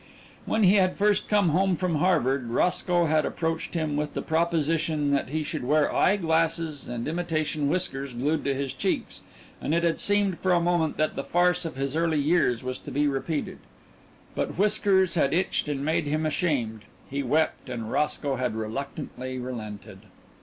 When he had first come home from Harvard, Roscoe had approached him with the proposition that he should wear eye glasses and imitation whiskers glued to his cheeks, and it had seemed for a moment that the farce of his early years was to be repeated. But whiskers had itched and made him ashamed. He wept and Roscoe had reluctantly relented.